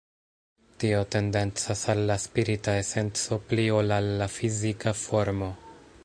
Tio tendencas al la spirita esenco pli ol al la fizika formo.